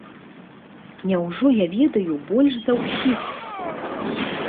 Няўжо я ведаю больш за ўсіх?